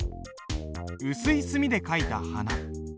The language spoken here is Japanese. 薄い墨で書いた「花」。